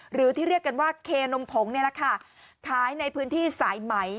หรือที่เรียกกันว่าเคนมผงนี่แหละค่ะขายในพื้นที่สายไหม